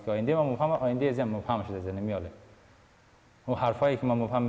saya sudah menerima tapi sekarang saya tidak menerima